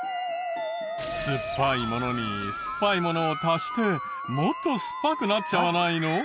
酸っぱいものに酸っぱいものを足してもっと酸っぱくなっちゃわないの？